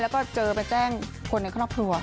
แล้วก็เจอไปแจ้งคนในครอบครัว